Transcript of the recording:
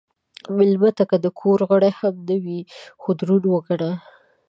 مېلمه ته که د کور غړی هم نه وي، خو دروند وګڼه.